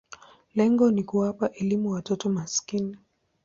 Lengo ni kuwapa elimu watoto maskini.